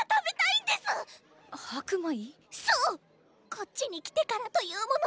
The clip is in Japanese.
こっちに来てからというもの